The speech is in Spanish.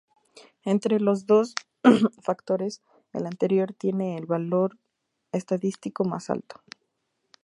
Entre los dos factores, el anterior tiene el valor estadístico más alto.